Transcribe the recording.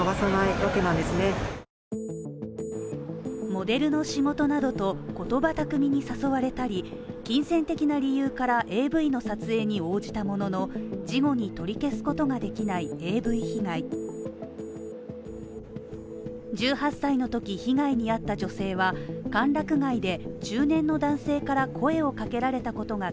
モデルの仕事などと言葉巧みに誘われたり、金銭的な理由から、ＡＶの撮影に応じたものの、事後に取り消すことができないＡＶ被害１８歳のとき被害に遭った女性は歓楽街で中年の男性から声をかけられたことが